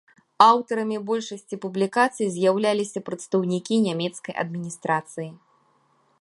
Аўтарамі большасці публікацый з'яўляліся прадстаўнікі нямецкай адміністрацыі.